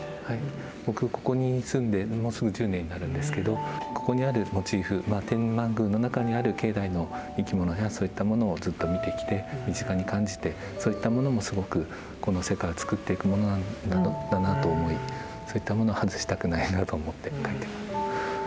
僕ここに住んでもうすぐ１０年になるんですけどここにあるモチーフ天満宮の中にある境内の生きものやそういったものをずっと見てきて身近に感じてそういったものもすごくこの世界を作っていくものなんだなと思いそういったものを外したくないなと思って描いてます。